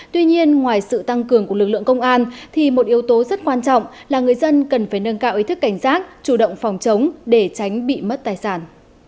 tuy nhiên ngoài sự tăng cường của lực lượng công an thì một yếu tố rất quan trọng là người dân cần phải nâng cao ý thức cảnh giác chủ động phòng chống để tránh bị mất tài sản